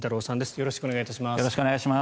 よろしくお願いします。